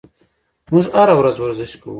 موږ هره ورځ ورزش کوو.